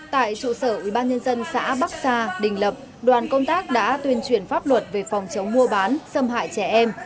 tại trụ sở ubnd xã bắc sa đình lập đoàn công tác đã tuyên truyền pháp luật về phòng chống mua bán xâm hại trẻ em